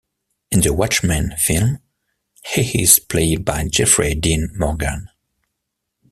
In the "Watchmen" film, he is played by Jeffrey Dean Morgan.